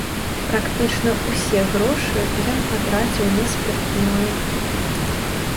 Практычна ўсе грошы ён патраціў на спіртное.